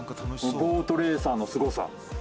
ボートレーサーのすごさ。